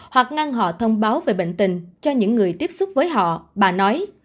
hoặc ngăn họ thông báo về bệnh tình cho những người tiếp xúc với họ bà nói